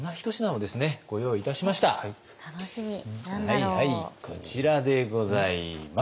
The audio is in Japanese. はいはいこちらでございます。